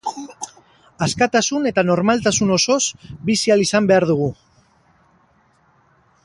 Askatasun eta normaltasun osoz bizi ahal izan behar dugu.